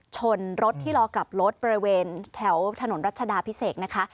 ชนรถที่รอกลับรถบริเวณแถวถนนรัชดาพิเศษนะคะ